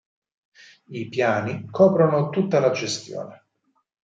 I "piani" coprono tutta la gestione.